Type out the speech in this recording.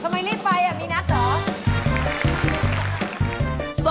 ทำไมรีบไปน่ะมีนักหรือ